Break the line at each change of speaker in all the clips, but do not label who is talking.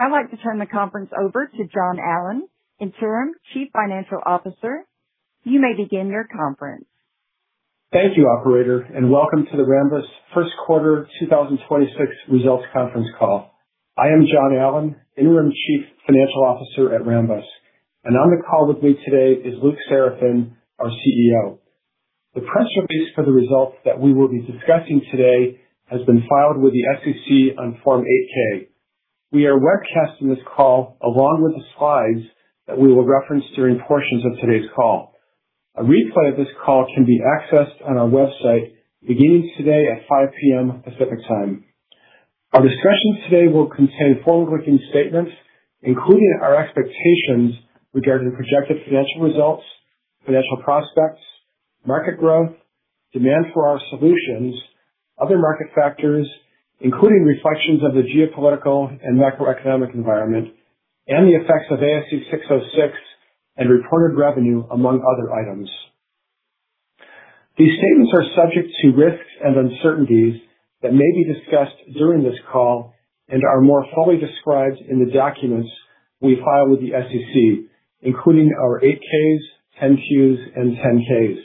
I'd like to turn the conference over to John Allen, Interim Chief Financial Officer. You may begin your conference.
Thank you, operator, and welcome to the Rambus first quarter 2026 results conference call. I am John Allen, Interim Chief Financial Officer at Rambus. On the call with me today is Luc Seraphin, our CEO. The press release for the results that we will be discussing today has been filed with the SEC on Form 8-K. We are webcasting this call along with the slides that we will reference during portions of today's call. A replay of this call can be accessed on our website beginning today at 5 P.M. Pacific Time. Our discussions today will contain forward-looking statements, including our expectations regarding projected financial results, financial prospects, market growth, demand for our solutions, other market factors, including reflections of the geopolitical and macroeconomic environment and the effects of ASC 606 and reported revenue, among other items. These statements are subject to risks and uncertainties that may be discussed during this call and are more fully described in the documents we file with the SEC, including our 8-Ks, 10-Qs, and 10-Ks.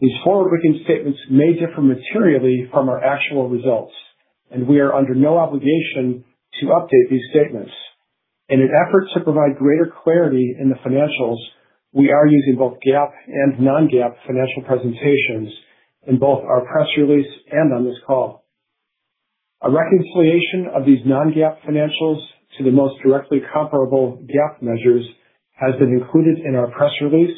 These forward-looking statements may differ materially from our actual results, and we are under no obligation to update these statements. In an effort to provide greater clarity in the financials, we are using both GAAP and non-GAAP financial presentations in both our press release and on this call. A reconciliation of these non-GAAP financials to the most directly comparable GAAP measures has been included in our press release,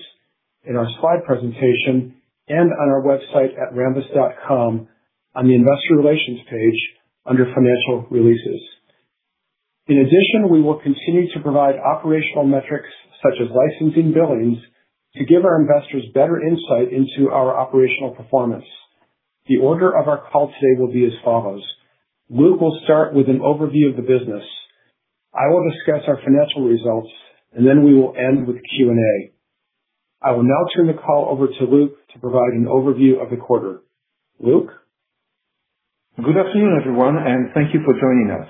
in our slide presentation, and on our website at rambus.com on the Investor Relations page under Financial Releases. In addition, we will continue to provide operational metrics such as licensing billings to give our investors better insight into our operational performance. The order of our call today will be as follows: Luc will start with an overview of the business. I will discuss our financial results, and then we will end with Q and A. I will now turn the call over to Luc to provide an overview of the quarter. Luc.
Good afternoon, everyone, and thank you for joining us.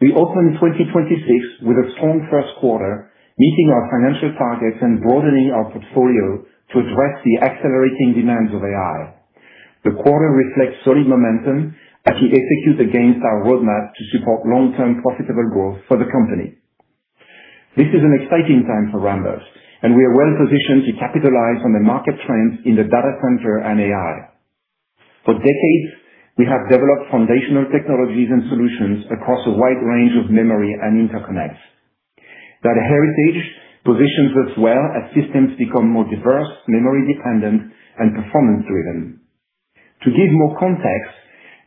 We opened 2026 with a strong first quarter, meeting our financial targets and broadening our portfolio to address the accelerating demands of AI. The quarter reflects solid momentum as we execute against our roadmap to support long-term profitable growth for the company. This is an exciting time for Rambus, and we are well positioned to capitalize on the market trends in the data center and AI. For decades, we have developed foundational technologies and solutions across a wide range of memory and interconnects. That heritage positions us well as systems become more diverse, memory dependent, and performance driven. To give more context,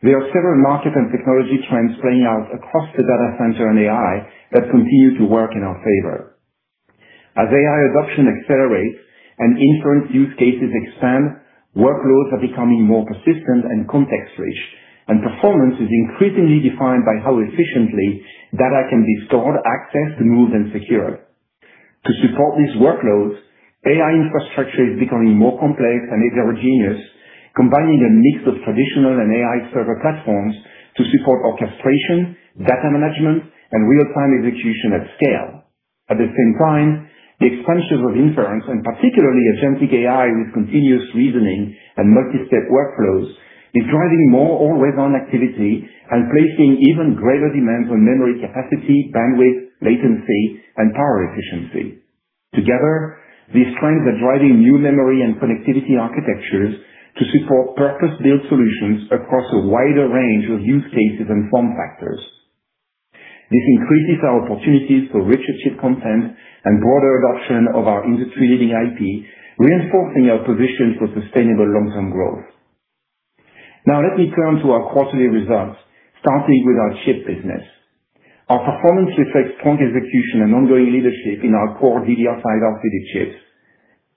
there are several market and technology trends playing out across the data center and AI that continue to work in our favor. As AI adoption accelerates and inference use cases expand, workloads are becoming more persistent and context-rich, and performance is increasingly defined by how efficiently data can be stored, accessed, moved, and secured. To support these workloads, AI infrastructure is becoming more complex and heterogeneous, combining a mix of traditional and AI server platforms to support orchestration, data management, and real-time execution at scale. At the same time, the expansion of inference, and particularly agentic AI with continuous reasoning and multi-step workflows, is driving more always-on activity and placing even greater demands on memory capacity, bandwidth, latency, and power efficiency. Together, these trends are driving new memory and connectivity architectures to support purpose-built solutions across a wider range of use cases and form factors. This increases our opportunities for richer chip content and broader adoption of our industry-leading IP, reinforcing our position for sustainable long-term growth. Now let me turn to our quarterly results, starting with our chip business. Our performance reflects strong execution and ongoing leadership in our core DDR5 LPDDR chips.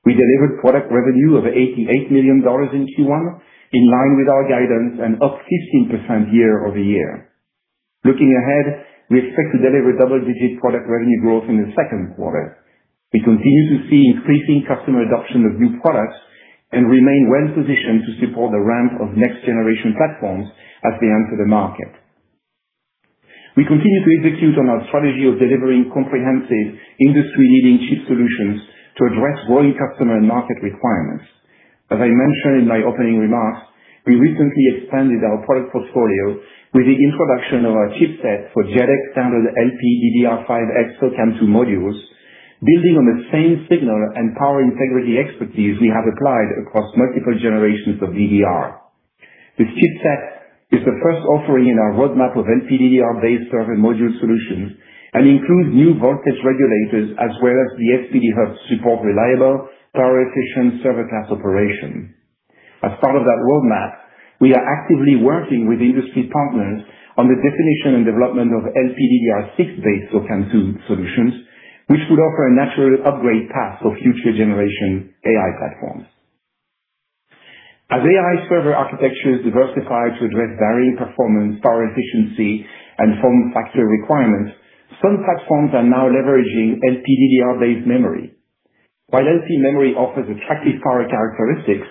We delivered product revenue of $88 million in Q1, in line with our guidance and up 15% year-over-year. Looking ahead, we expect to deliver double-digit product revenue growth in the second quarter. We continue to see increasing customer adoption of new products and remain well positioned to support the ramp of next generation platforms as they enter the market. We continue to execute on our strategy of delivering comprehensive industry-leading chip solutions to address growing customer and market requirements. As I mentioned in my opening remarks, we recently expanded our product portfolio with the introduction of our chipset for JEDEC standard LPDDR5X SOCAMM2 modules, building on the same signal and power integrity expertise we have applied across multiple generations of DDR. This chipset is the first offering in our roadmap of LPDDR-based server module solutions and includes new voltage regulators as well as the SPD Hub to support reliable power efficient server class operation. As part of that roadmap, we are actively working with industry partners on the definition and development of LPDDR6-based SOCAMM2 solutions, which would offer a natural upgrade path for future generation AI platforms. As AI server architectures diversify to address varying performance, power efficiency, and form factor requirements, some platforms are now leveraging LPDDR-based memory. While LP memory offers attractive power characteristics,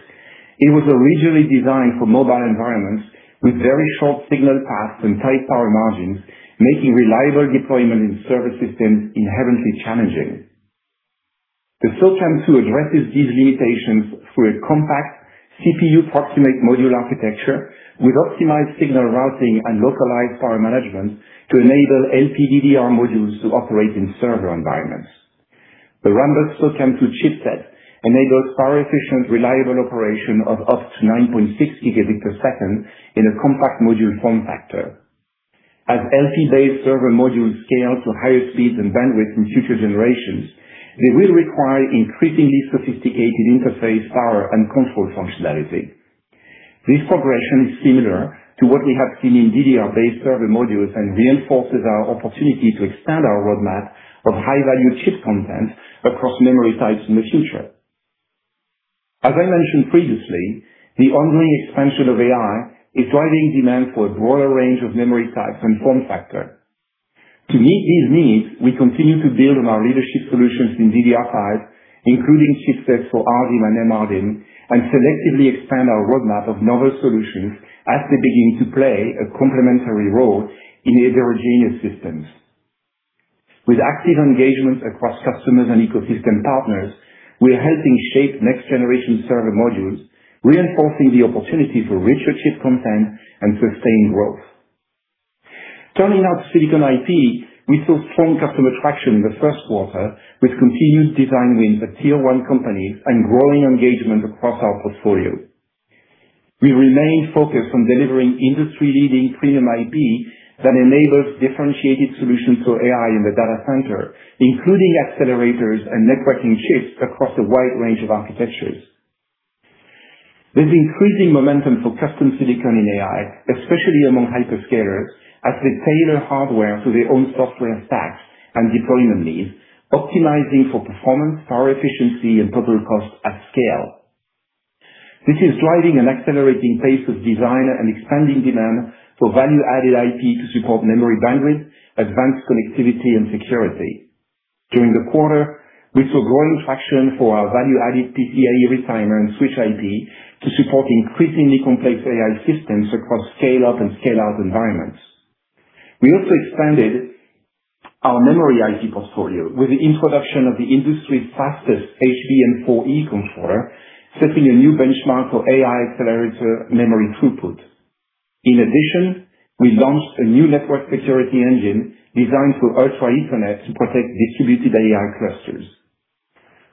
it was originally designed for mobile environments with very short signal paths and tight power margins, making reliable deployment in server systems inherently challenging. The SOCAMM2 addresses these limitations through a compact CPU-proximate module architecture with optimized signal routing and localized power management to enable LPDDR modules to operate in server environments. The Rambus SOCAMM2 chipset enables power efficient, reliable operation of up to 9.6 Gbps in a compact module form factor. As LP-based server modules scale to higher speeds and bandwidth in future generations, they will require increasingly sophisticated interface power and control functionality. This progression is similar to what we have seen in DDR-based server modules and reinforces our opportunity to extend our roadmap of high value chip content across memory types in the future. As I mentioned previously, the ongoing expansion of AI is driving demand for a broader range of memory types and form factor. To meet these needs, we continue to build on our leadership solutions in DDR5, including chipsets for RDIMM and MRDIMM, and selectively expand our roadmap of novel solutions as they begin to play a complementary role in heterogeneous systems. With active engagement across customers and ecosystem partners, we are helping shape next generation server modules, reinforcing the opportunity for richer chip content and sustained growth. Turning now to Silicon IP, we saw strong customer traction in the first quarter with continued design wins at Tier 1 companies and growing engagement across our portfolio. We remain focused on delivering industry-leading premium IP that enables differentiated solutions for AI in the data center, including accelerators and networking chips across a wide range of architectures. There's increasing momentum for custom silicon in AI, especially among hyperscalers, as they tailor hardware to their own software stacks and deployment needs, optimizing for performance, power, efficiency and total cost at scale. This is driving an accelerating pace of design and expanding demand for value-added IP to support memory bandwidth, advanced connectivity and security. During the quarter, we saw growing traction for our value-added PCIe retimer switch IP to support increasingly complex AI systems across scale up and scale out environments. We also expanded our memory IP portfolio with the introduction of the industry's fastest HBM4E controller, setting a new benchmark for AI accelerator memory throughput. In addition, we launched a new network security engine designed for Ultra Ethernet to protect distributed AI clusters.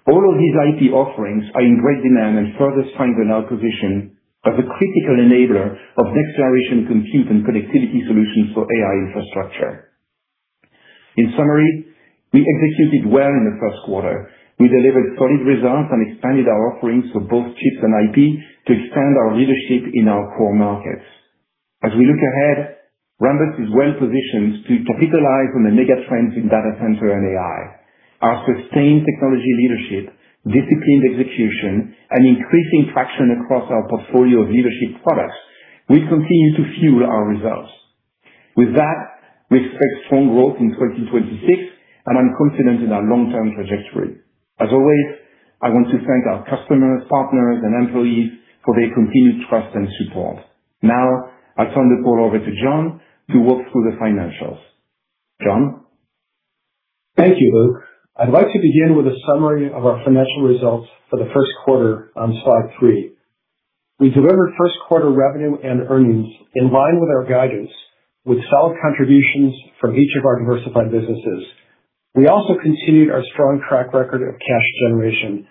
All of these IP offerings are in great demand and further strengthen our position as a critical enabler of next generation compute and connectivity solutions for AI infrastructure. In summary, we executed well in the first quarter. We delivered solid results and expanded our offerings for both chips and IP to extend our leadership in our core markets. As we look ahead, Rambus is well positioned to capitalize on the mega trends in data center and AI. Our sustained technology leadership, disciplined execution and increasing traction across our portfolio of leadership products will continue to fuel our results. With that, we expect strong growth in 2026 and I'm confident in our long term trajectory. As always, I want to thank our customers, partners and employees for their continued trust and support. Now I turn the call over to John to walk through the financials. John?
Thank you, Luc. I'd like to begin with a summary of our financial results for the first quarter on slide three. We delivered first quarter revenue and earnings in line with our guidance with solid contributions from each of our diversified businesses. We also continued our strong track record of cash generation.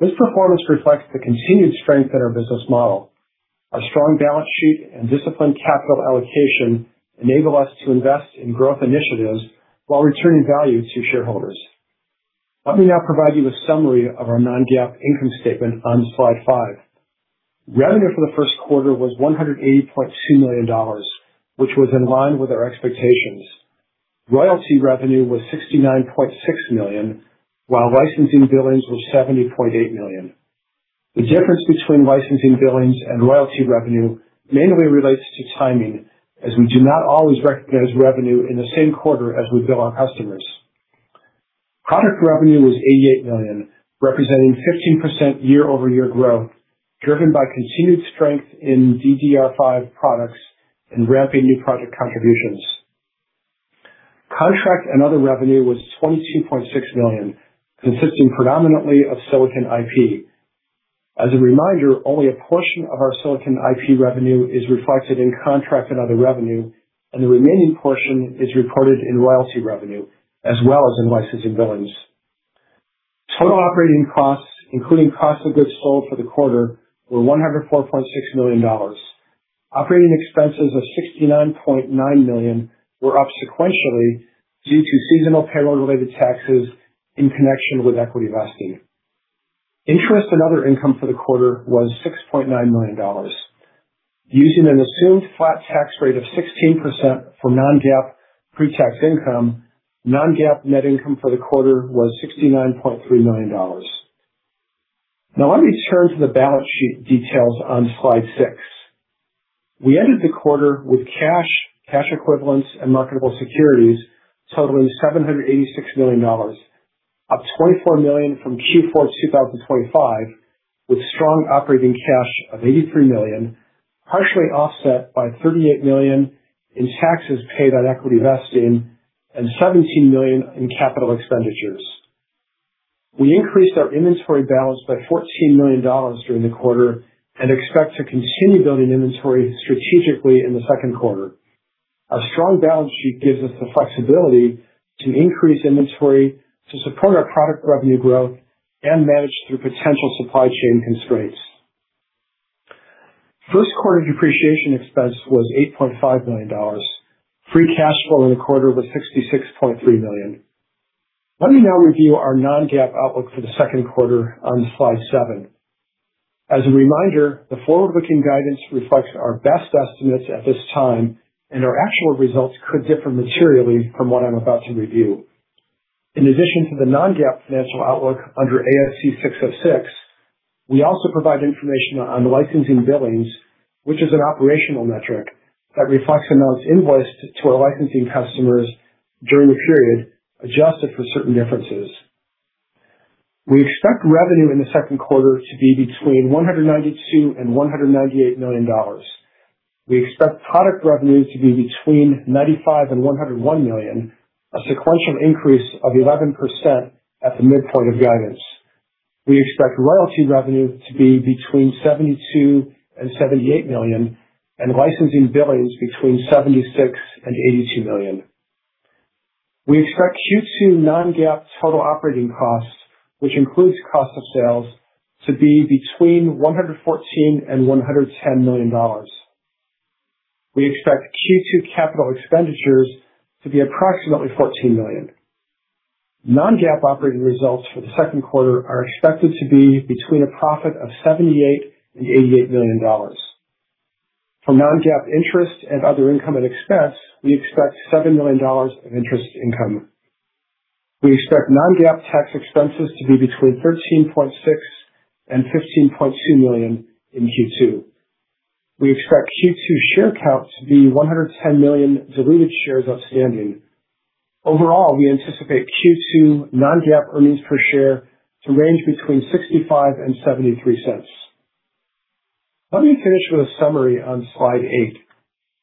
This performance reflects the continued strength in our business model. Our strong balance sheet and disciplined capital allocation enable us to invest in growth initiatives while returning value to shareholders. Let me now provide you a summary of our non-GAAP income statement on slide five. Revenue for the first quarter was $180.2 million, which was in line with our expectations. Royalty revenue was $69.6 million, while licensing billings was $70.8 million. The difference between licensing billings and royalty revenue mainly relates to timing, as we do not always recognize revenue in the same quarter as we bill our customers. Product revenue was $88 million, representing 15% year-over-year growth, driven by continued strength in DDR5 products and ramping new project contributions. Contract and other revenue was $22.6 million, consisting predominantly of Silicon IP. As a reminder, only a portion of our Silicon IP revenue is reflected in contract and other revenue, and the remaining portion is reported in royalty revenue as well as in licensing billings. Total operating costs, including cost of goods sold for the quarter, were $104.6 million. Operating expenses of $69.9 million were up sequentially due to seasonal payroll related taxes in connection with equity vesting. Interest and other income for the quarter was $6.9 million. Using an assumed flat tax rate of 16% for non-GAAP pre-tax income, non-GAAP net income for the quarter was $69.3 million. Now let me turn to the balance sheet details on slide six. We ended the quarter with cash equivalents, and marketable securities totaling $786 million, up $24 million from Q4 2025, with strong operating cash of $83 million, partially offset by $38 million in taxes paid on equity vesting and $17 million in capital expenditures. We increased our inventory balance by $14 million during the quarter and expect to continue building inventory strategically in the second quarter. Our strong balance sheet gives us the flexibility to increase inventory to support our product revenue growth and manage through potential supply chain constraints. First quarter depreciation expense was $8.5 million. Free cash flow in the quarter was $66.3 million. Let me now review our non-GAAP outlook for the second quarter on slide seven. As a reminder, the forward-looking guidance reflects our best estimates at this time, and our actual results could differ materially from what I'm about to review. In addition to the non-GAAP financial outlook under ASC 606, we also provide information on the licensing billings, which is an operational metric that reflects amounts invoiced to our licensing customers during the period, adjusted for certain differences. We expect revenue in the second quarter to be between $192 million and $198 million. We expect product revenue to be between $95 million and $101 million, a sequential increase of 11% at the midpoint of guidance. We expect royalty revenue to be between $72 million and $78 million and licensing billings between $76 million and $82 million. We expect Q2 non-GAAP total operating costs, which includes cost of sales, to be between $110 million and $114 million. We expect Q2 capital expenditures to be approximately $14 million. Non-GAAP operating results for the second quarter are expected to be between a profit of $78 million and $88 million. For non-GAAP interest and other income and expense, we expect $7 million of interest income. We expect non-GAAP tax expenses to be between $13.6 million and $15.2 million in Q2. We expect Q2 share count to be 110 million diluted shares outstanding. Overall, we anticipate Q2 non-GAAP earnings per share to range between $0.65 and $0.73. Let me finish with a summary on slide eight.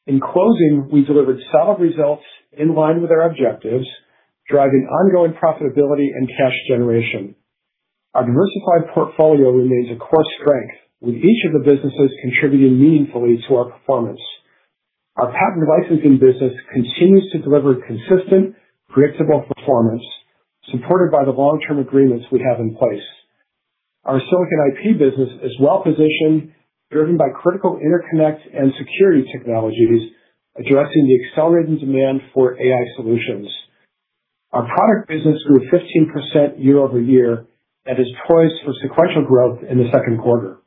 In closing, we delivered solid results in line with our objectives, driving ongoing profitability and cash generation. Our diversified portfolio remains a core strength, with each of the businesses contributing meaningfully to our performance. Our patent licensing business continues to deliver consistent, predictable performance, supported by the long-term agreements we have in place. Our silicon IP business is well positioned, driven by critical interconnect and security technologies addressing the accelerated demand for AI solutions. Our product business grew 15% year-over-year and is poised for sequential growth in the second quarter.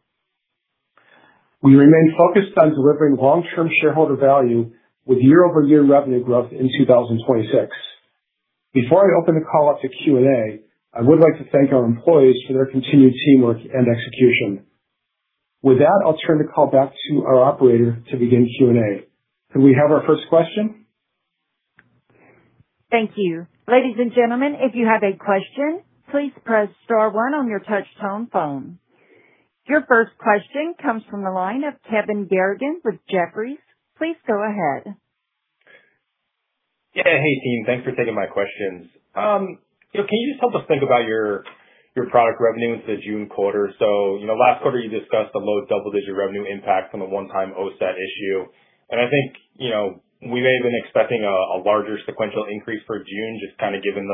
We remain focused on delivering long-term shareholder value with year-over-year revenue growth in 2026. Before I open the call up to Q and A, I would like to thank our employees for their continued teamwork and execution. With that, I'll turn the call back to our operator to begin Q and A. Can we have our first question?
Thank you. Ladies and gentlemen, if you have a question, please press star one on your touch-tone phone. Your first question comes from the line of Kevin Garrigan with Jefferies. Please go ahead.
Yeah. Hey, team. Thanks for taking my questions. Can you just help us think about your product revenue into the June quarter? You know, last quarter you discussed the low double-digit revenue impact from a one-time OSAT issue. I think, you know, we may have been expecting a larger sequential increase for June, just kind of given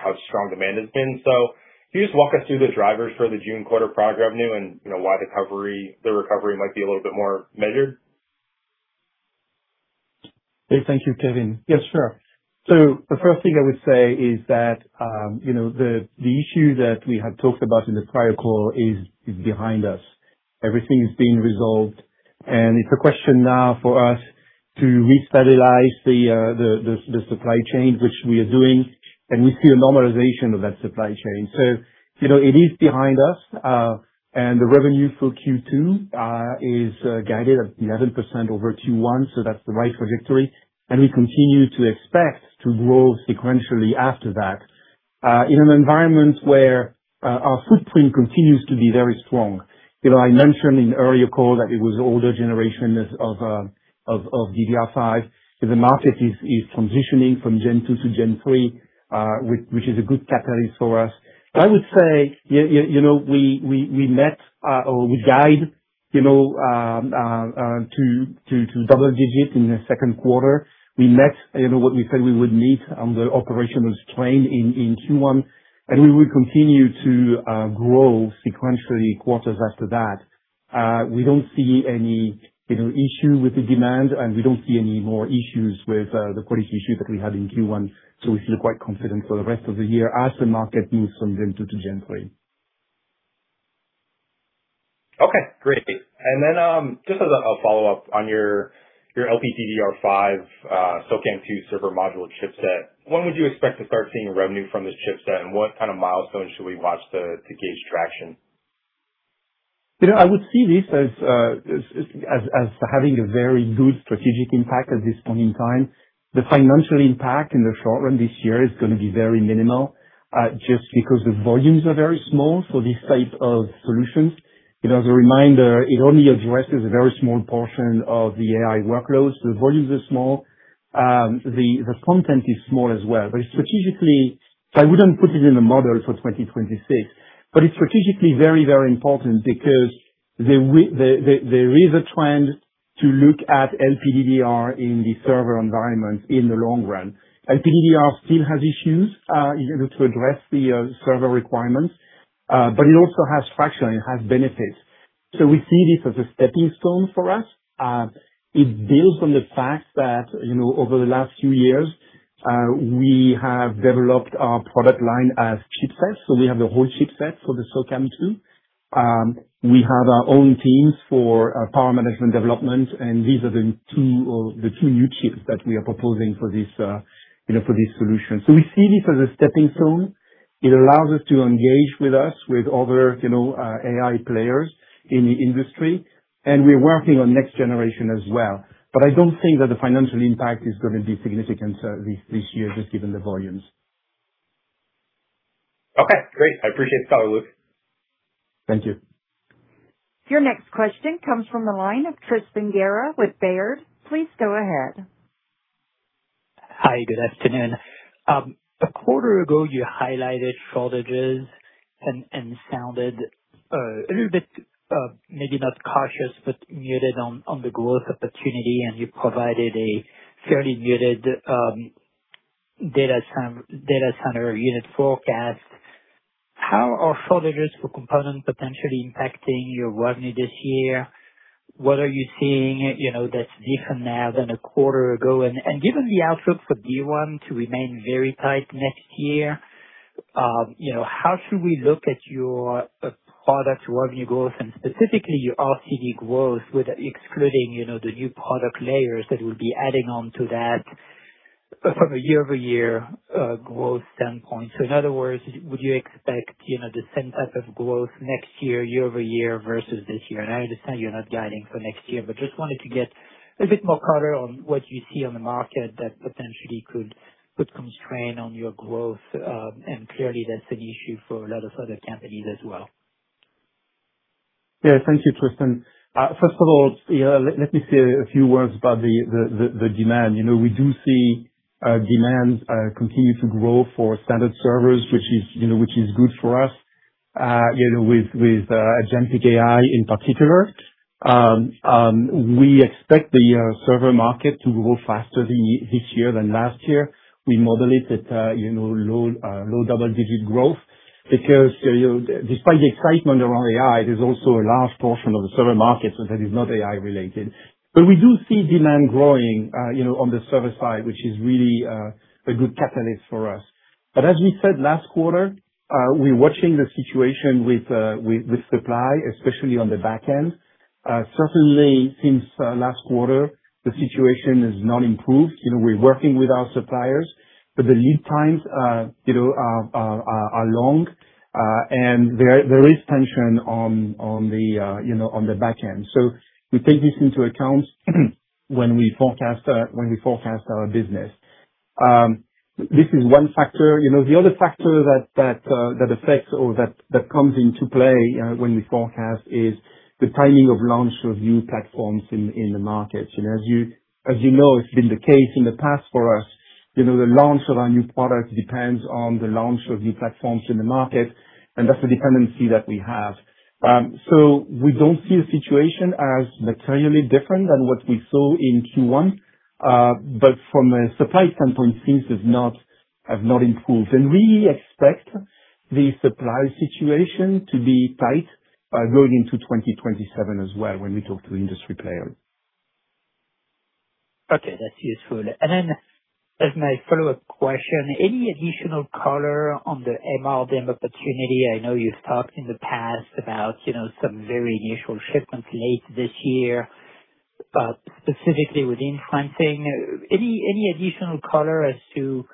how strong demand has been. Can you just walk us through the drivers for the June quarter product revenue and, you know, why the recovery might be a little bit more measured?
Hey, thank you, Kevin. Yes, sure. The first thing I would say is that, you know, the issue that we had talked about in the prior call is behind us. Everything is being resolved, and it's a question now for us to restabilize the supply chain, which we are doing, and we see a normalization of that supply chain. You know, it is behind us. The revenue for Q2 is guided at 11% over Q1. That's the right trajectory. We continue to expect to grow sequentially after that, in an environment where our footprint continues to be very strong. You know, I mentioned in the earlier call that it was older generations of DDR5. The market is transitioning from Gen 2 to Gen 3, which is a good catalyst for us. I would say, you know, we met or we guide, you know, to double digit in the second quarter. We met, you know, what we said we would meet on the operational strain in Q1, and we will continue to grow sequentially quarters after that. We don't see any, you know, issue with the demand, and we don't see any more issues with the quality issue that we had in Q1. We feel quite confident for the rest of the year as the market moves from Gen 2 to Gen 3.
Okay, great. Just as a follow-up on your LPDDR5 SOCAMM2 server module chipset, when would you expect to start seeing revenue from this chipset? What kind of milestones should we watch to gauge traction?
You know, I would see this as having a very good strategic impact at this point in time. The financial impact in the short run this year is gonna be very minimal, just because the volumes are very small for this type of solutions. You know, as a reminder, it only addresses a very small portion of the AI workloads. The volumes are small. The content is small as well. Strategically, I wouldn't put it in a model for 2026, but it's strategically very, very important because the risk trend to look at LPDDR in the server environment in the long run. LPDDR still has issues in order to address the server requirements, but it also has traction, it has benefits. We see this as a stepping stone for us. It builds on the fact that, you know, over the last few years, we have developed our product line as chipsets, so we have a whole chipset for the SOCAMM2. We have our own teams for power management development, and these are the two new chips that we are proposing for this, you know, for this solution. We see this as a stepping stone. It allows us to engage with other, you know, AI players in the industry, and we're working on next generation as well. I don't think that the financial impact is gonna be significant, this year, just given the volumes.
Okay, great. I appreciate the call, Luc.
Thank you.
Your next question comes from the line of Tristan Gerra with Baird. Please go ahead.
Hi. Good afternoon. A quarter ago, you highlighted shortages and sounded a little bit maybe not cautious, but muted on the growth opportunity, and you provided a fairly muted data center unit forecast. How are shortages of components potentially impacting your revenue this year? What are you seeing, you know, that's different now than a quarter ago? Given the outlook for D1 to remain very tight next year, you know, how should we look at your product revenue growth and specifically your RCD growth while excluding the new product layers that will be adding on to that from a year-over-year growth standpoint? In other words, would you expect the same type of growth next year year-over-year versus this year? I understand you're not guiding for next year, but just wanted to get a bit more color on what you see on the market that potentially could constrain on your growth. Clearly, that's an issue for a lot of other companies as well.
Yeah. Thank you, Tristan. First of all, yeah, let me say a few words about the demand. You know, we do see demand continue to grow for standard servers, which is good for us with agentic AI in particular. We expect the server market to grow faster this year than last year. We model it at low double-digit growth because, despite the excitement around AI, there's also a large portion of the server market that is not AI related. We do see demand growing on the server side, which is really a good catalyst for us. As we said last quarter, we're watching the situation with supply, especially on the back end. Certainly since last quarter, the situation has not improved. You know, we're working with our suppliers, but the lead times, you know, are long. There is tension on the back end. We take this into account when we forecast our business. This is one factor. You know, the other factor that affects or that comes into play when we forecast is the timing of launch of new platforms in the market. You know, as you know, it's been the case in the past for us, you know, the launch of our new product depends on the launch of new platforms in the market, and that's a dependency that we have. We don't see the situation as materially different than what we saw in Q1. From a supply standpoint, things have not improved. We expect the supply situation to be tight going into 2027 as well when we talk to industry players.
Okay, that's useful. Then as my follow-up question, any additional color on the MRDIMM opportunity? I know you've talked in the past about, you know, some very initial shipments late this year, specifically with inferencing. Any additional color as to,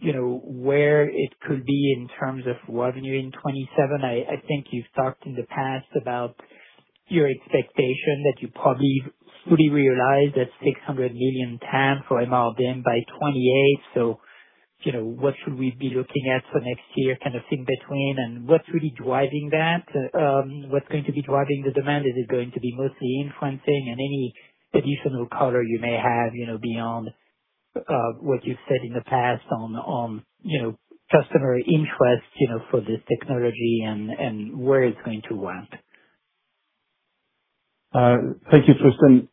you know, where it could be in terms of revenue in 2027? I think you've talked in the past about your expectation that you probably fully realize that $600 million TAM for MRDIMM by 2028. You know, what should we be looking at for next year, kind of, in between? And what's really driving that? What's going to be driving the demand? Is it going to be mostly inferencing? And any additional color you may have, you know, beyond what you've said in the past on, you know, customer interest, you know, for this technology and where it's going to go.
Thank you, Tristan.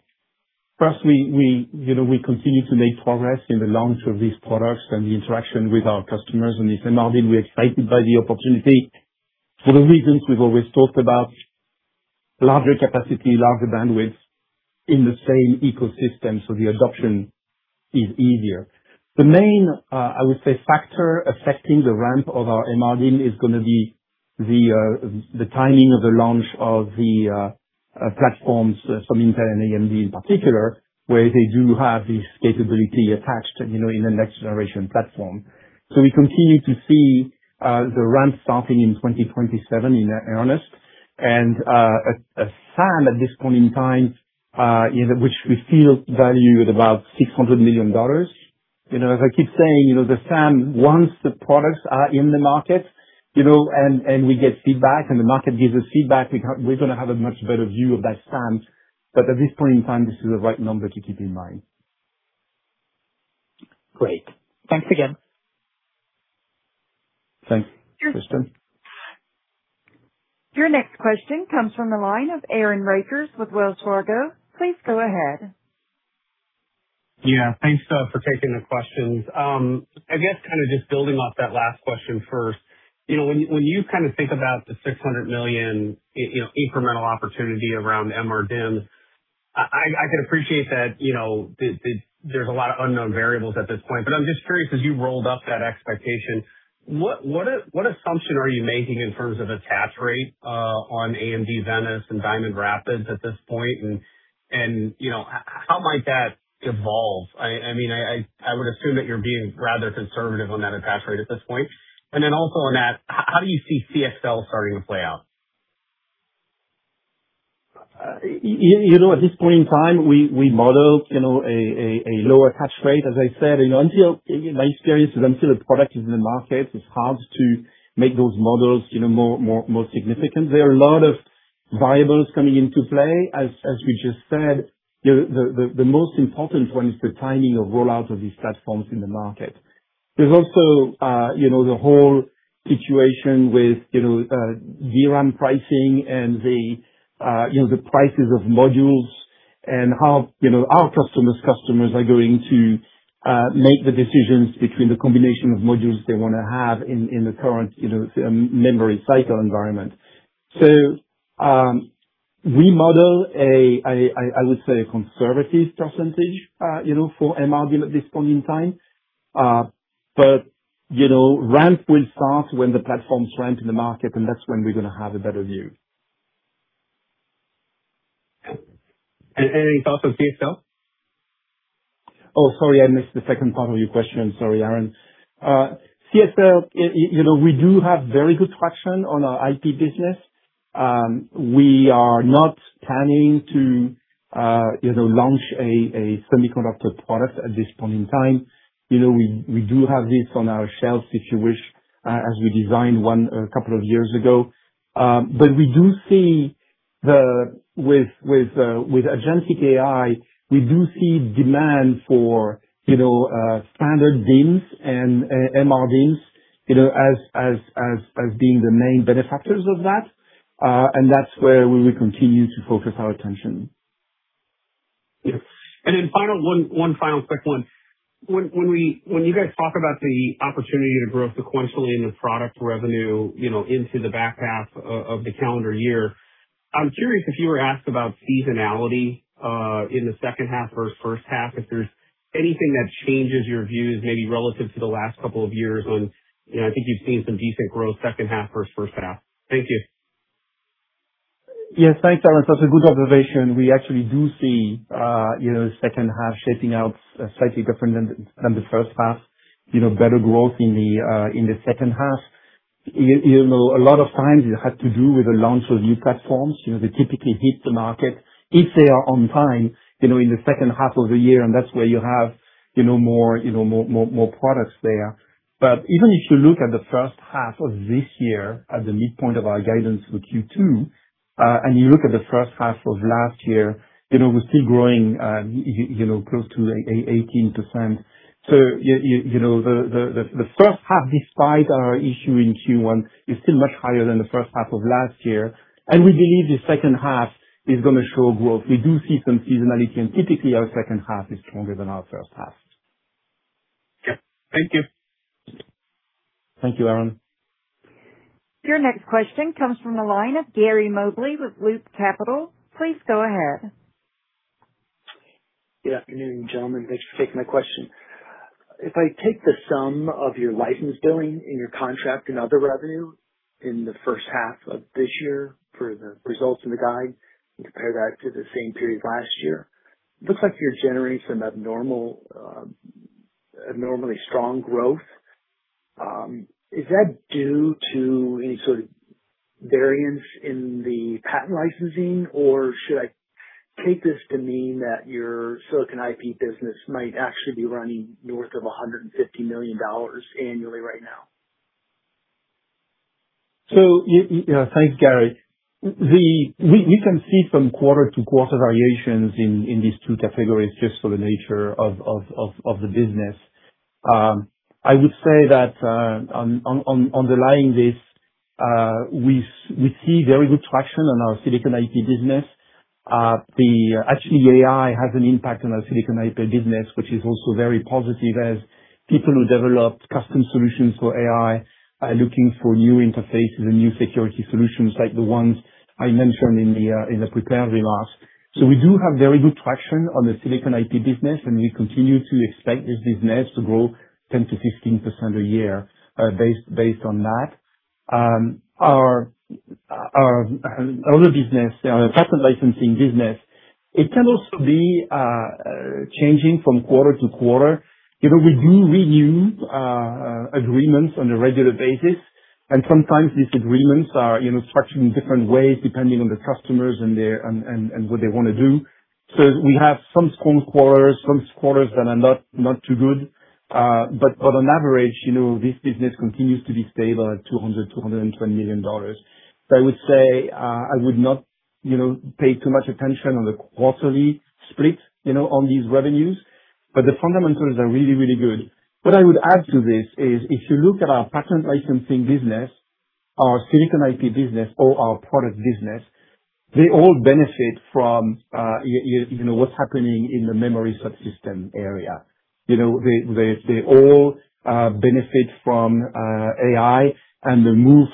First, you know, we continue to make progress in the launch of these products and the interaction with our customers on this MRDIMM. We're excited by the opportunity for the reasons we've always talked about, larger capacity, larger bandwidth in the same ecosystem, so the adoption is easier. The main, I would say, factor affecting the ramp of our MRDIMM is gonna be the timing of the launch of the platforms from Intel and AMD in particular, where they do have this capability attached, you know, in the next generation platform. We continue to see the ramp starting in 2027 in earnest. A SAM at this point in time, you know, which we feel is valued at about $600 million. You know, as I keep saying, you know, the SAM, once the products are in the market, you know, and we get feedback and the market gives us feedback, we're gonna have a much better view of that SAM. At this point in time, this is the right number to keep in mind.
Great. Thanks again.
Thanks, Tristan.
Your next question comes from the line of Aaron Rakers with Wells Fargo. Please go ahead.
Yeah. Thanks for taking the questions. I guess kind of just building off that last question first. You know, when you kind of think about the $600 million, you know, incremental opportunity around MRDIMM, I can appreciate that, you know, there's a lot of unknown variables at this point, but I'm just curious, as you rolled up that expectation, what assumption are you making in terms of attach rate on AMD Venice and Diamond Rapids at this point? You know, how might that evolve? I mean, I would assume that you're being rather conservative on that attach rate at this point. Then also on that, how do you see CXL starting to play out?
You know, at this point in time, we modeled, you know, a lower attach rate, as I said. You know, in my experience, until a product is in the market, it's hard to make those models, you know, more significant. There are a lot of variables coming into play. As we just said, the most important one is the timing of rollout of these platforms in the market. There's also, you know, the whole situation with, you know, DRAM pricing and the, you know, the prices of modules and how, you know, our customers are going to make the decisions between the combination of modules they wanna have in the current, you know, memory cycle environment. We model, I would say, a conservative percentage, you know, for MRDIMM at this point in time. You know, ramp will start when the platforms ramp in the market, and that's when we're gonna have a better view.
Any thoughts on CXL?
Oh, sorry, I missed the second part of your question. I'm sorry, Aaron. CXL, you know, we do have very good traction on our IP business. We are not planning to, you know, launch a semiconductor product at this point in time. You know, we do have this on our shelves, if you wish, as we designed one a couple of years ago. But we do see with agentic AI, we do see demand for, you know, standard DIMMs and MRDIMMs, you know, as being the main beneficiaries of that, and that's where we will continue to focus our attention.
Yeah. One final quick one. When you guys talk about the opportunity to grow sequentially in the product revenue, you know, into the back half of the calendar year, I'm curious if you were asked about seasonality in the second half versus first half, if there's anything that changes your views, maybe relative to the last couple of years on, you know, I think you've seen some decent growth second half versus first half. Thank you.
Yes, thanks, Aaron. That's a good observation. We actually do see, you know, second half shaping out slightly different than the first half, you know, better growth in the second half. You know, a lot of times it has to do with the launch of new platforms. You know, they typically hit the market if they are on time, you know, in the second half of the year, and that's where you have, you know, more products there. But even if you look at the first half of this year at the midpoint of our guidance with Q2, and you look at the first half of last year, you know, we're still growing, you know, close to 18%. You know, the first half, despite our issue in Q1, is still much higher than the first half of last year. We believe the second half is gonna show growth. We do see some seasonality, and typically our second half is stronger than our first half.
Yep. Thank you.
Thank you, Aaron.
Your next question comes from the line of Gary Mobley with Loop Capital. Please go ahead.
Good afternoon, gentlemen. Thanks for taking my question. If I take the sum of your license billing and your contract and other revenue in the first half of this year for the results in the guide and compare that to the same period last year, it looks like you're generating some abnormally strong growth. Is that due to any sort of variance in the patent licensing, or should I take this to mean that your silicon IP business might actually be running north of $150 million annually right now?
You know, thanks, Gary. We can see some quarter-to-quarter variations in these two categories just for the nature of the business. I would say that on underlying this, we see very good traction on our silicon IP business. Actually AI has an impact on our silicon IP business, which is also very positive as people who developed custom solutions for AI are looking for new interfaces and new security solutions like the ones I mentioned in the prepared remarks. We do have very good traction on the silicon IP business, and we continue to expect this business to grow 10%-15% a year, based on that. Our other business, our patent licensing business, it can also be changing from quarter-to-quarter. You know, we do renew agreements on a regular basis. Sometimes these agreements are, you know, structured in different ways, depending on the customers and what they wanna do. We have some strong quarters, some quarters that are not too good. On average, you know, this business continues to be stable at $220 million. I would say, I would not, you know, pay too much attention on the quarterly split, you know, on these revenues, but the fundamentals are really good. What I would add to this is if you look at our patent licensing business, our silicon IP business, or our product business, they all benefit from, you know, what's happening in the memory subsystem area. You know, they all benefit from AI and the move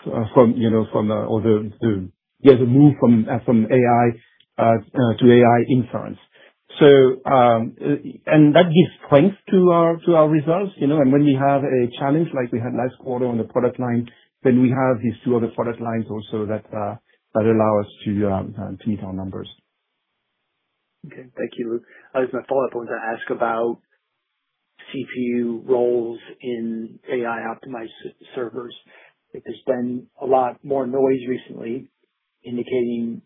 from AI to AI inference. That gives strength to our results, you know. When we have a challenge like we had last quarter on the product line, then we have these two other product lines also that allow us to meet our numbers.
Okay. Thank you. I just wanna follow up. I want to ask about CPU roles in AI-optimized servers. Like, there's been a lot more noise recently indicating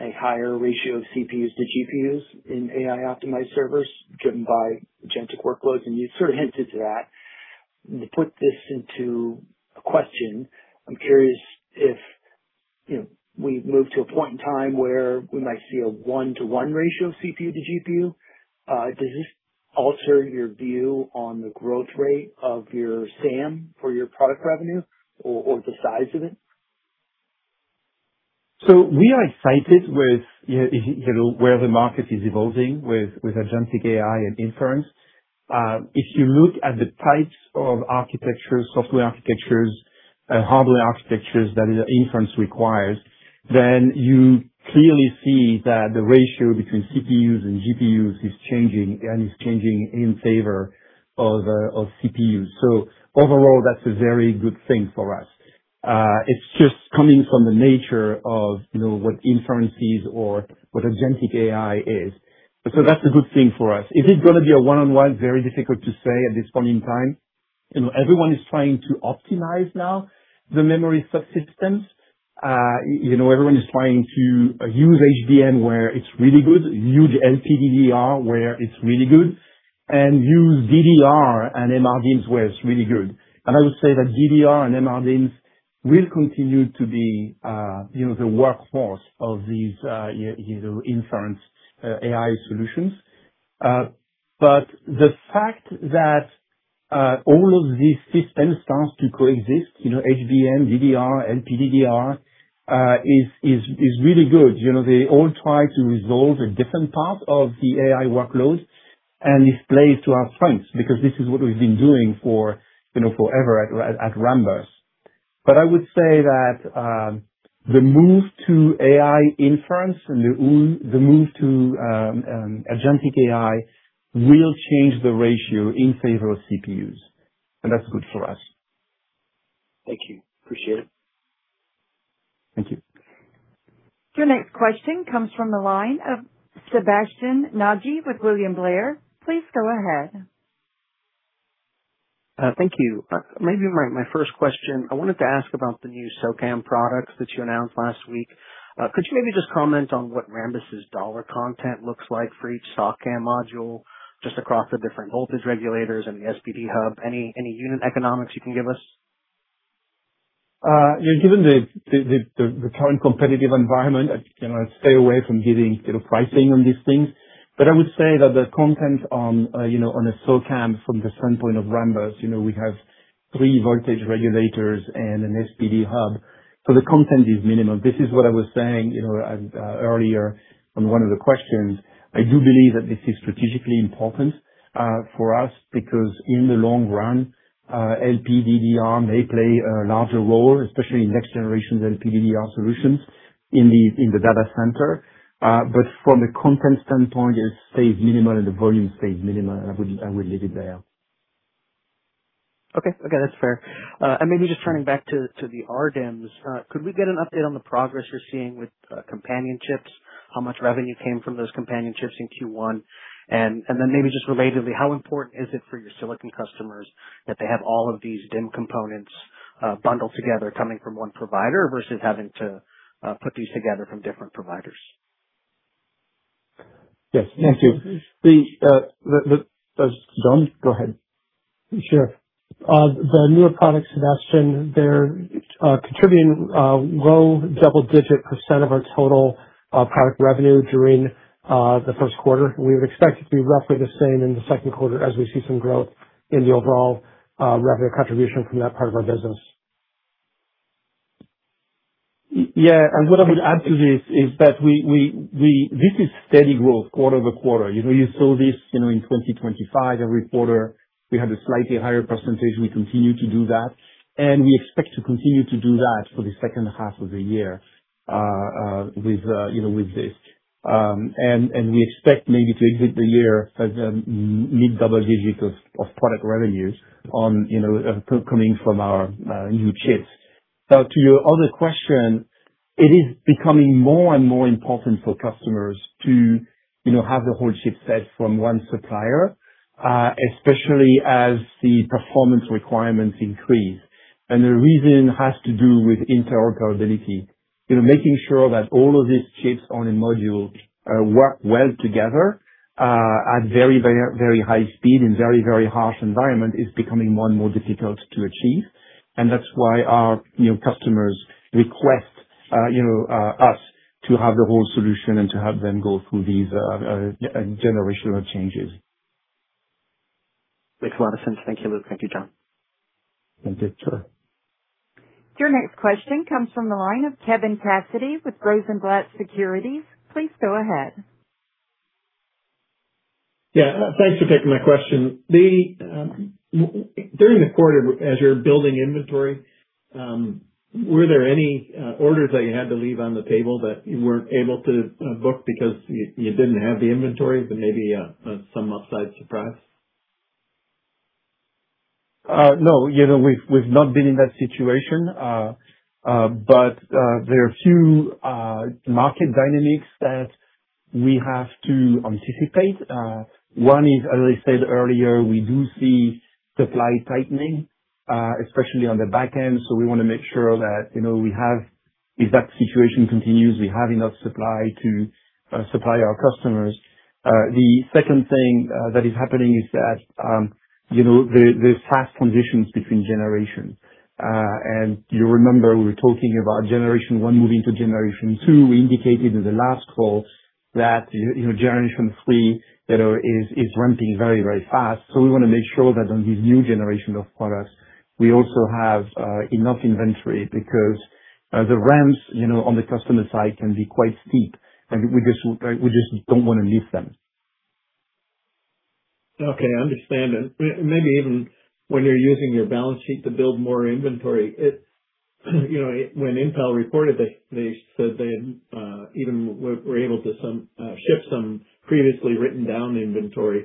a higher ratio of CPUs to GPUs in AI-optimized servers driven by agentic workloads, and you sort of hinted to that. To put this into a question, I'm curious if, you know, we've moved to a point in time where we might see a one-to-one ratio of CPU to GPU, does this alter your view on the growth rate of your SAM for your product revenue or the size of it?
We are excited with you know where the market is evolving with agentic AI and inference. If you look at the types of architectures, software architectures, hardware architectures that the inference requires, then you clearly see that the ratio between CPUs and GPUs is changing in favor of CPUs. Overall, that's a very good thing for us. It's just coming from the nature of you know what inference is or what agentic AI is. That's a good thing for us. Is it gonna be a one-on-one? Very difficult to say at this point in time. You know everyone is trying to optimize now the memory subsystem. You know everyone is trying to use HBM where it's really good, use LPDDR where it's really good, and use DDR and MRDIMMs where it's really good. I would say that DDR and MRDIMMs will continue to be, you know, the workhorse of these, you know, inference AI solutions. The fact that all of these systems start to coexist, you know, HBM, DDR, LPDDR, is really good. You know, they all try to resolve a different part of the AI workload, and it plays to our strengths because this is what we've been doing for, you know, forever at Rambus. I would say that the move to AI inference and the move to agentic AI will change the ratio in favor of CPUs, and that's good for us.
Thank you. Appreciate it.
Thank you.
Your next question comes from the line of Sebastien Naji with William Blair. Please go ahead.
Thank you. Maybe my first question, I wanted to ask about the new SOCAMM products that you announced last week. Could you maybe just comment on what Rambus' dollar content looks like for each SOCAMM module, just across the different voltage regulators and the SPD Hub? Any unit economics you can give us?
You know, given the current competitive environment, you know, I stay away from giving, you know, pricing on these things. I would say that the content on, you know, on a SOCAMM from the standpoint of Rambus, you know, we have three voltage regulators and an SPD Hub, so the content is minimum. This is what I was saying, you know, earlier on one of the questions. I do believe that this is strategically important, for us because in the long run, LPDDR may play a larger role, especially in next generation LPDDR solutions in the data center. From a content standpoint, it stays minimal and the volume stays minimal. I would leave it there.
Okay. Okay, that's fair. And maybe just turning back to the RDIMMs. Could we get an update on the progress you're seeing with companion chips? How much revenue came from those companion chips in Q1? And then maybe just relatedly, how important is it for your silicon customers that they have all of these DIMM components bundled together coming from one provider versus having to put these together from different providers?
Yes. Thank you. John, go ahead.
Sure. The newer products, Sebastien, they're contributing low double-digit % of our total product revenue during the first quarter. We would expect it to be roughly the same in the second quarter as we see some growth in the overall revenue contribution from that part of our business.
Yeah. What I would add to this is that this is steady growth quarter-over-quarter. You know, you saw this, you know, in 2025, every quarter we had a slightly higher presentation. We continue to do that, and we expect to continue to do that for the second half of the year with, you know, with this. We expect maybe to exit the year as mid double digit of product revenues on, you know, coming from our new chips. Now to your other question, it is becoming more and more important for customers to, you know, have the whole chip set from one supplier, especially as the performance requirements increase. The reason has to do with interoperability. You know, making sure that all of these chips on a module work well together at very high speed and very harsh environment is becoming more and more difficult to achieve. That's why our, you know, customers request, you know, us to have the whole solution and to have them go through these generational changes.
Makes a lot of sense. Thank you, Luc. Thank you, John.
Thank you.
Your next question comes from the line of Kevin Cassidy with Rosenblatt Securities. Please go ahead.
Yeah. Thanks for taking my question. During the quarter as you're building inventory, were there any orders that you had to leave on the table that you weren't able to book because you didn't have the inventory, but maybe some outside surprise?
No. You know, we've not been in that situation. There are few market dynamics that we have to anticipate. One is, as I said earlier, we do see supply tightening, especially on the back end, so we wanna make sure that, you know, if that situation continues, we have enough supply to supply our customers. The second thing that is happening is that you know, the fast transitions between generations. You remember we were talking about generation one moving to generation two. We indicated in the last call that you know, generation three is ramping very fast. We wanna make sure that on these new generation of products, we also have enough inventory because the ramps, you know, on the customer side can be quite steep, and we just don't wanna lose them.
Okay. I understand. Maybe even when you're using your balance sheet to build more inventory when Intel reported, they said they even were able to ship some previously written down inventory.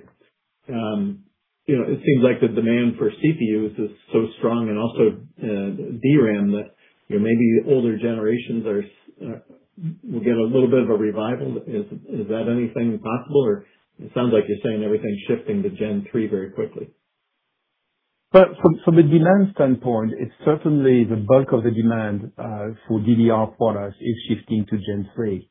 You know, it seems like the demand for CPUs is so strong and also DRAM that maybe older generations will get a little bit of a revival. Is that anything possible or it sounds like you're saying everything's shifting to gen three very quickly.
From a demand standpoint, it's certainly the bulk of the demand for DDR products is shifting to Gen 3.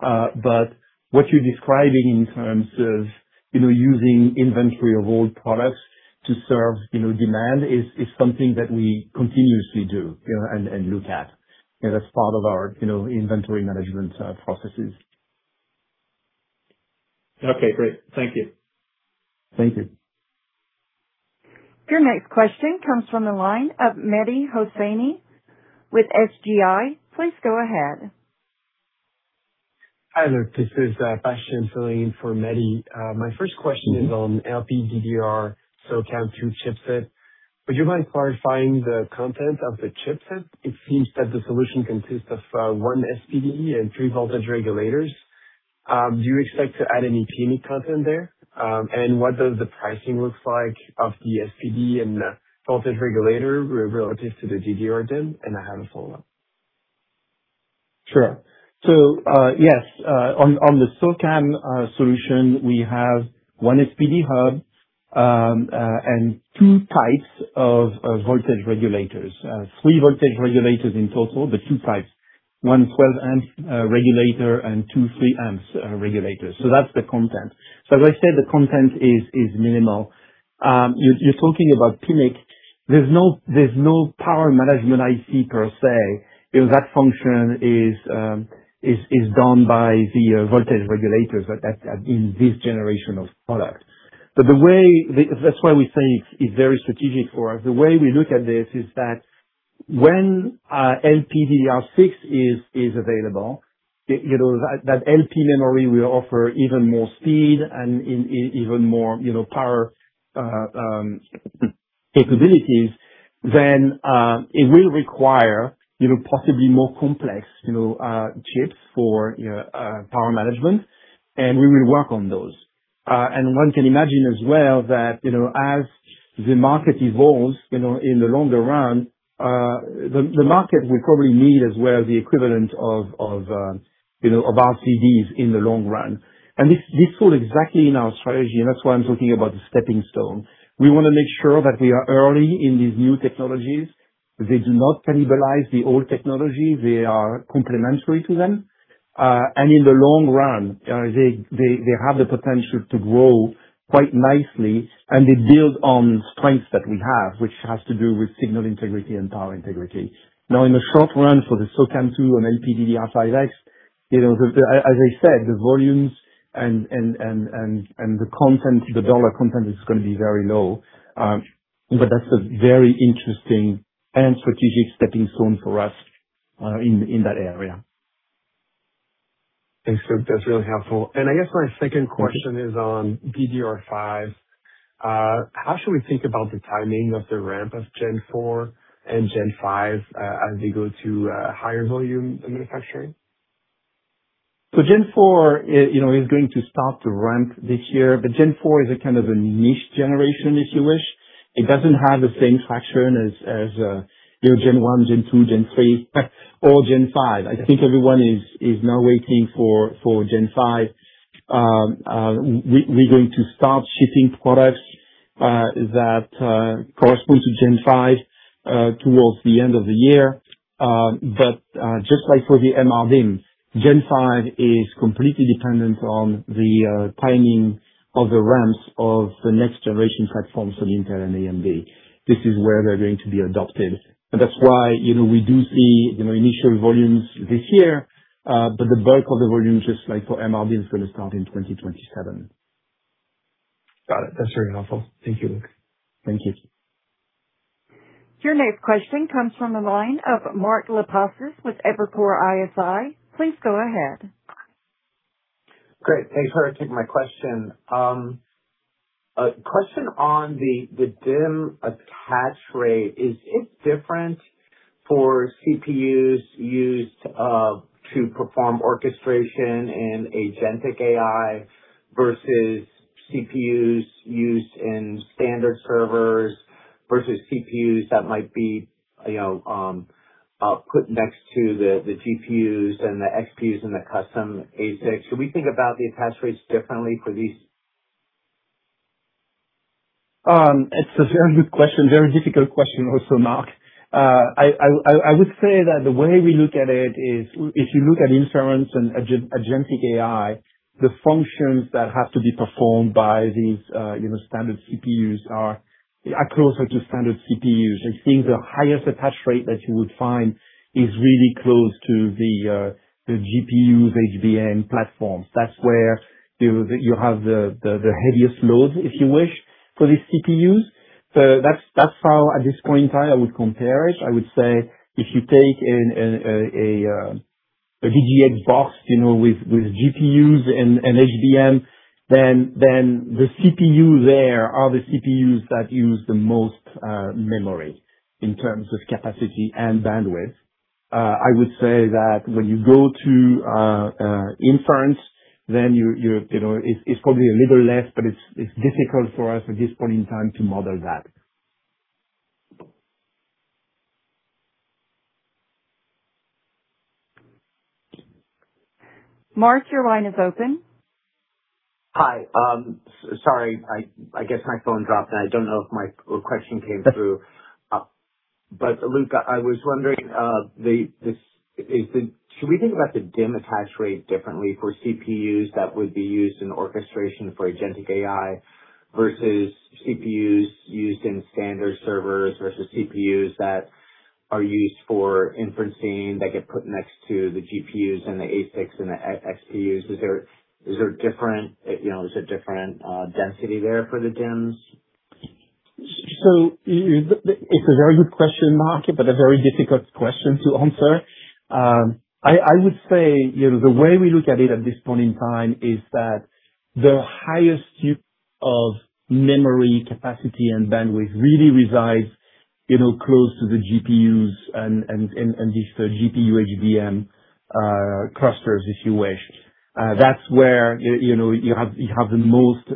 What you're describing in terms of, you know, using inventory of old products to serve, you know, demand is something that we continuously do, you know, and look at, you know, as part of our, you know, inventory management processes.
Okay. Great. Thank you.
Thank you.
Your next question comes from the line of Mehdi Hosseini with SGI. Please go ahead.
Hi, Luc. This is, Bastien filling in for Mehdi. My first question.
Mm-hmm.
This is on LPDDR. SOCAMM2 chipset. Would you mind clarifying the content of the chipset? It seems that the solution consists of one SPD and three voltage regulators. Do you expect to add any PMIC content there? What does the pricing look like of the SPD and the voltage regulator relative to the DDR DIMM? I have a follow-up.
Sure. Yes, on the SOCAMM solution, we have one SPD hub and two types of voltage regulators. Three voltage regulators in total, but two types. One 12-amp regulator and two 3-amp regulators. That's the content. As I said, the content is minimal. You're talking about PMIC. There's no power management IC per se. You know, that function is done by the voltage regulators in this generation of products. That's why we say it's very strategic for us. The way we look at this is that when LPDDR6 is available, you know, that LP memory will offer even more speed and even more, you know, power capabilities, then it will require, you know, possibly more complex, you know, chips for, you know, power management, and we will work on those. One can imagine as well that, you know, as the market evolves, you know, in the longer run, the market will probably need as well the equivalent of, you know, of RCD in the long run. This falls exactly in our strategy, and that's why I'm talking about the stepping stone. We wanna make sure that we are early in these new technologies. They do not cannibalize the old technology. They are complementary to them. In the long run, they have the potential to grow quite nicely, and they build on strengths that we have, which has to do with signal integrity and power integrity. Now, in the short run for the SOCAMM2 and LPDDR5X, you know, as I said, the volumes and the content, the dollar content is gonna be very low. That's a very interesting and strategic stepping stone for us, in that area.
Thanks, Luc. That's really helpful. I guess my second question is on DDR5. How should we think about the timing of the ramp of Gen 4 and Gen 5 as we go to higher volume manufacturing?
Gen 4, you know, is going to start to ramp this year, but Gen 4 is a kind of a niche generation, if you wish. It doesn't have the same traction as, you know, Gen 1, Gen 2, Gen 3, or Gen 5. I think everyone is now waiting for Gen 5. We're going to start shipping products that correspond to Gen 5 towards the end of the year. But just like for the MRDIMM, Gen 5 is completely dependent on the timing of the ramps of the next generation platforms from Intel and AMD. This is where they're going to be adopted. That's why, you know, we see initial volumes this year, but the bulk of the volume, just like for MRDIMM, is gonna start in 2027.
Got it. That's very helpful. Thank you, Luc.
Thank you.
Your next question comes from the line of Mark Lipacis with Evercore ISI. Please go ahead.
Great. Thanks for taking my question. A question on the DIMM attach rate. Is it different for CPUs used to perform orchestration in agentic AI versus CPUs used in standard servers versus CPUs that might be put next to the GPUs and the XPUs and the custom ASICs. Should we think about the attach rates differently for these?
It's a very good question. Very difficult question also, Mark. I would say that the way we look at it is if you look at inference and agentic AI, the functions that have to be performed by these, you know, standard CPUs are closer to standard CPUs. I think the highest attach rate that you would find is really close to the GPUs HBM platforms. That's where you have the heaviest loads, if you wish, for these CPUs. That's how at this point in time I would compare it. I would say if you take a DGX box, you know, with GPUs and HBM, then the CPU there are the CPUs that use the most memory in terms of capacity and bandwidth. I would say that when you go to inference, then you're, you know, it's probably a little less, but it's difficult for us at this point in time to model that.
Mark, your line is open.
Hi. Sorry, I guess my phone dropped, and I don't know if my question came through. Luc, I was wondering, should we think about the DIMM attach rate differently for CPUs that would be used in orchestration for agentic AI versus CPUs used in standard servers versus CPUs that are used for inferencing, that get put next to the GPUs and the ASICs and the XPUs? Is there different, you know, density there for the DIMMs?
It's a very good question, Mark, but a very difficult question to answer. I would say, you know, the way we look at it at this point in time is that the highest use of memory capacity and bandwidth really resides, you know, close to the GPUs and the GPU HBM clusters, if you wish. That's where, you know, you have the most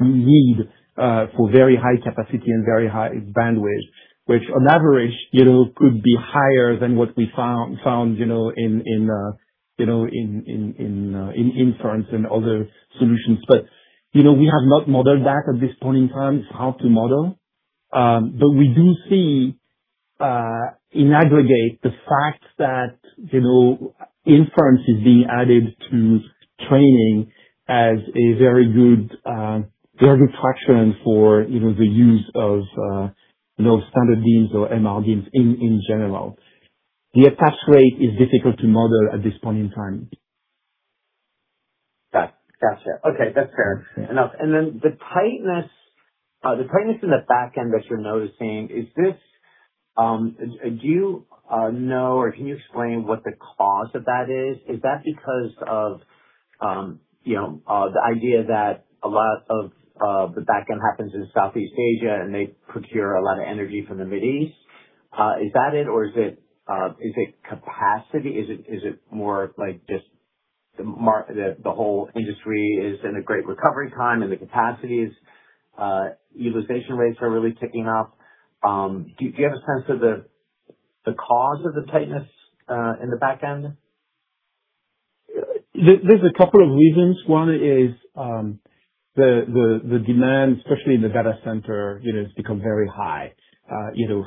need for very high capacity and very high bandwidth, which on average, you know, could be higher than what we found, you know, in inference and other solutions. You know, we have not modeled that at this point in time. It's hard to model. We do see in aggregate the fact that, you know, inference is being added to training as a very good traction for, you know, the use of, you know, standard DIMMs or MRDIMMs in general. The attach rate is difficult to model at this point in time.
Gotcha. Okay. That's fair enough. Then the tightness in the back end that you're noticing, is this, do you know or can you explain what the cause of that is? Is that because of, you know, the idea that a lot of the backend happens in Southeast Asia and they procure a lot of energy from the Middle East? Is that it, or is it capacity? Is it more like just the whole industry is in a great recovery time and the capacities utilization rates are really ticking up? Do you have a sense of the cause of the tightness in the back end?
There, there's a couple of reasons. One is the demand, especially in the data center, you know, has become very high, you know,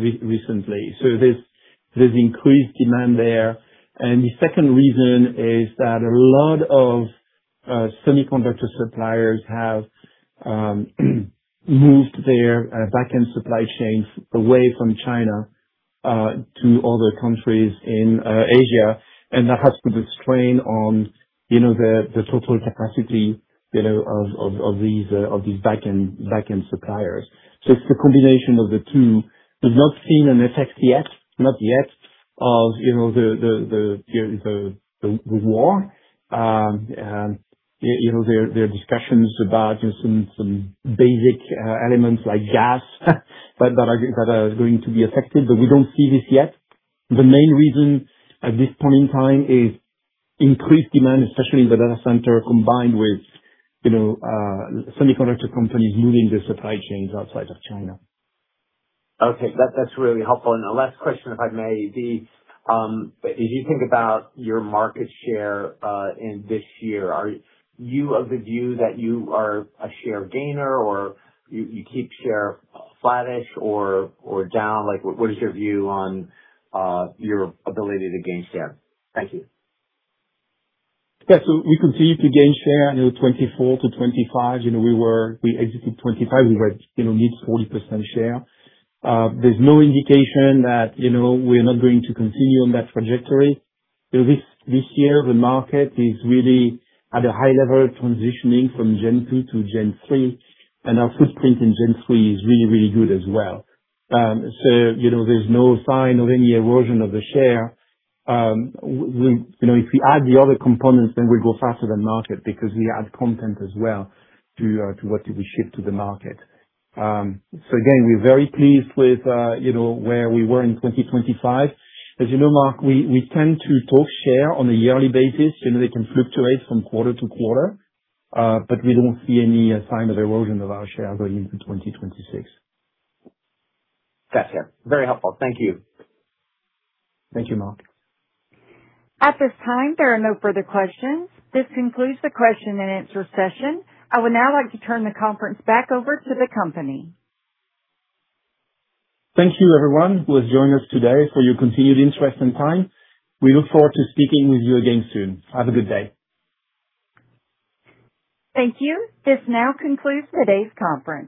recently. There's increased demand there. The second reason is that a lot of semiconductor suppliers have moved their backend supply chains away from China to other countries in Asia, and that has put a strain on the total capacity, you know, of these backend suppliers. It's the combination of the two. We've not seen an effect yet, not yet of the war. There are discussions about some basic elements like gas that are going to be affected, but we don't see this yet. The main reason at this point in time is increased demand, especially in the data center, combined with, you know, semiconductor companies moving their supply chains outside of China.
Okay. That's really helpful. A last question, if I may. If you think about your market share in this year, are you of the view that you are a share gainer or you keep share flattish or down? Like, what is your view on your ability to gain share? Thank you.
Yeah. We continue to gain share. You know, 2024 to 2025, you know, we were. We exited 2025, we were at, you know, mid-40% share. There's no indication that, you know, we're not going to continue on that trajectory. You know, this year the market is really at a high level transitioning from Gen 2 to Gen 3, and our footprint in Gen 3 is really, really good as well. You know, there's no sign of any erosion of the share. You know, if we add the other components, then we'll grow faster than market because we add content as well to what we ship to the market. So again, we're very pleased with, you know, where we were in 2025. As you know, Mark, we tend to talk share on a yearly basis. You know, they can fluctuate from quarter to quarter, but we don't see any sign of erosion of our share going into 2026.
Gotcha. Very helpful. Thank you.
Thank you, Mark.
At this time, there are no further questions. This concludes the question-and-answer session. I would now like to turn the conference back over to the company.
Thank you, everyone, who has joined us today, for your continued interest and time. We look forward to speaking with you again soon. Have a good day.
Thank you. This now concludes today's conference.